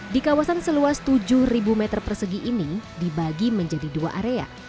di kawasan seluas tujuh meter persegi ini dibagi menjadi dua area